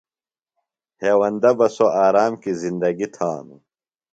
ہیوندہ بہ سوۡ آرام کیۡ زندگی تھانوۡ۔